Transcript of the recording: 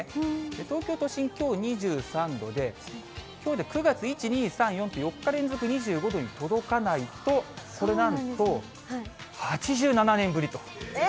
東京都心、きょう２３度で、きょうで９月１、２、３、４日連続２５度に届かないと、これなんと、８７年ぶりと。